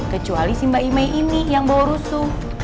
kecuali si mbak imei ini yang bawa rusuh